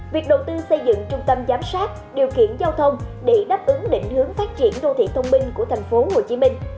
việc đầu tư xây dựng trung tâm giám sát điều kiện giao thông để đáp ứng định hướng phát triển đô thị thông minh của thành phố hồ chí minh